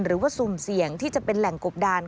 สุ่มเสี่ยงที่จะเป็นแหล่งกบดาน